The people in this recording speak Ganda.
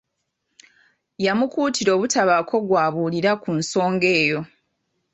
Yamukuutira obutabaako gw'abuulira ku nsonga eyo.